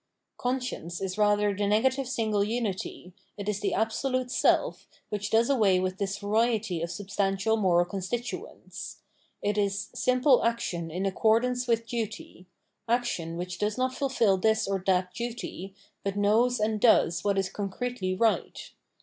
Conscience is rather the negative single unity, it is the absolute self, which does away with this variety of substantial moral constituents. It is simple action in accordance with duty, action which does not fulfil this ^ or that duty, but knows and does what is concretely right.